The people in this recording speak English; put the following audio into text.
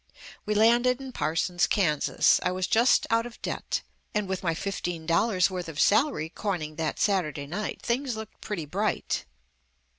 We landed in Par sons, Kansas. I was just out of debt, and with my fifteen dollars' worth of salary coining that Saturday night, things looked pretty bright.